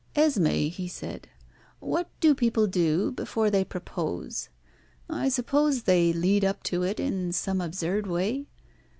"Esmé," he said, "what do people do before they propose? I suppose they lead up to it in some absurd way.